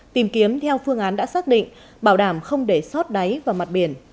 tìm kiếm theo phương án đã xác định bảo đảm không để sót đáy vào mặt biển